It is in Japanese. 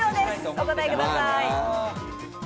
お答えください。